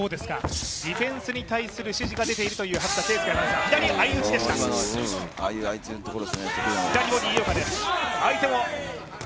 ディフェンスに対する指示が出ているという初田啓介アナウンサー。